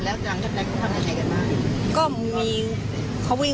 แล้วกลางแถวนี้เขาทำอะไรใช้กันบ้าง